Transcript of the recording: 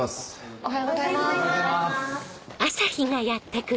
おはようございます。